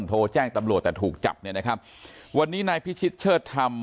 โทรแจ้งตำรวจแต่ถูกจับเนี่ยนะครับวันนี้นายพิชิตเชิดธรรม